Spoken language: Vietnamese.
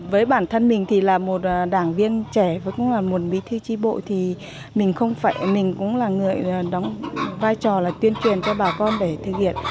với bản thân mình thì là một đảng viên trẻ và cũng là một bí thư tri bộ thì mình không phải mình cũng là người đóng vai trò là tuyên truyền cho bà con để thực hiện